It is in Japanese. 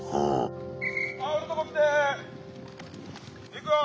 ・いくよ！